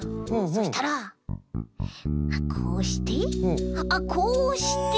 そしたらこうしてあっこうして。